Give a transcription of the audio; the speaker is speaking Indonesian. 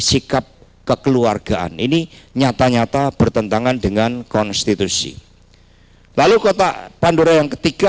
sikap kekeluargaan ini nyata nyata bertentangan dengan konstitusi lalu kota pandora yang ketiga